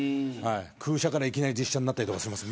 空車からいきなり実車になったりします